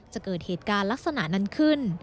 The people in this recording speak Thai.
จะเกิดเหตุการณ์ลักษณะนั้นขึ้น